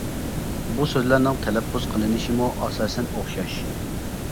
بۇ سۆزلەرنىڭ تەلەپپۇز قىلىنىشىمۇ ئاساسەن ئوخشاش.